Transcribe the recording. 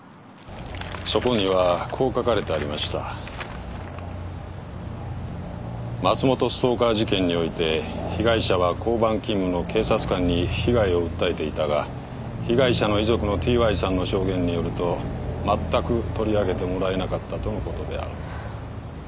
そこにはこう書かれてありました「松本ストーカー事件において被害者は交番勤務の警察官に被害を訴えていたが被害者の遺族のＴ・Ｙさんの証言によると全く取り上げてもらえなかったとのことである」